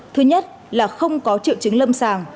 thứ nhất là không có triệu chứng lâm sàng